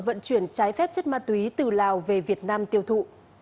vận chuyển trái phép chất ma túy từ lào về việt nam tiêu thụ